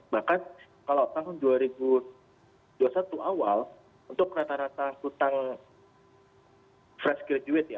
bahkan kalau tahun dua ribu dua puluh satu awal untuk rata rata hutang fresh graduate ya